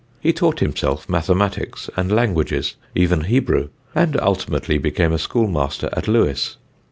He taught himself mathematics and languages, even Hebrew, and ultimately became a schoolmaster at Lewes.